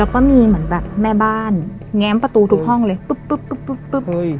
แล้วก็มีเหมือนแบบแม่บ้านแง้มประตูทุกห้องเลยปุ๊บ